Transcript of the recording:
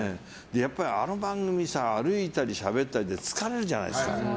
やっぱり、あの番組歩いたりしゃべったりで疲れるじゃないですか。